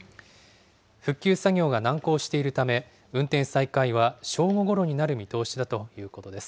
復旧作業が難航しているため、運転再開は正午ごろになる見通しだということです。